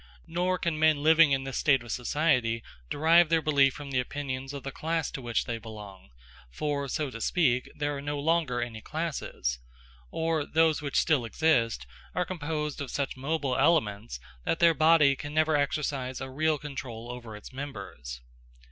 Nor can men living in this state of society derive their belief from the opinions of the class to which they belong, for, so to speak, there are no longer any classes, or those which still exist are composed of such mobile elements, that their body can never exercise a real control over its members.